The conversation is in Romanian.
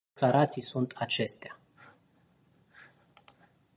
Ce fel de declarații sunt acestea?